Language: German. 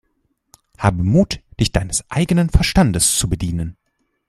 Habe Mut, dich deines eigenen Verstandes zu bedienen!